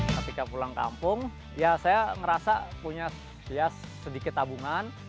ketika pulang kampung ya saya ngerasa punya sedikit tabungan